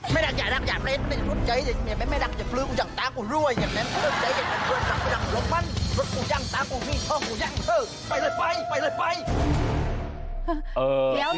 เพราะเขาไม่รักเผย